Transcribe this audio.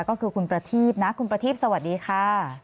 ก็คือคุณประทีบนะคุณประทีพสวัสดีค่ะ